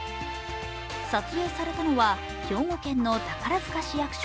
撮影されたのは兵庫県の宝塚市役所。